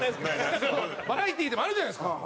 澤部：バラエティーでもあるじゃないですか。